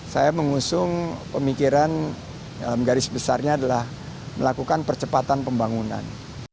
saya mengusung pemikiran dalam garis besarnya adalah melakukan percepatan pembangunan